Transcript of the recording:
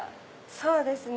そうですね。